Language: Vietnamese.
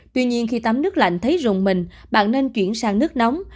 tuy nhiên khi tắm nước lạnh thấy rùng mình bạn nên chuyển sang nước nóng